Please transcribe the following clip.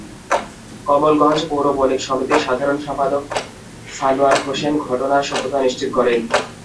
কমলগঞ্জ পৌর বণিক সমিতির সাধারণ সম্পাদক সানোয়ার হোসেন ঘটনার সত্যতা নিশ্চিত করেন।